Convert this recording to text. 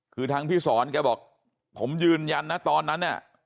คือทางพี่สอนแกบอกผมยืนยันนะตอนนั้นเนี่ย